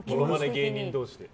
芸人同士で。